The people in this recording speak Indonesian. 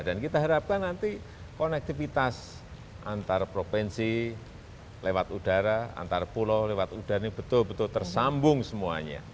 dan kita harapkan nanti konektivitas antar provinsi lewat udara antar pulau lewat udara ini betul betul tersambung semuanya